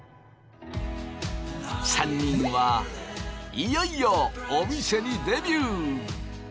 ３人はいよいよお店にデビュー。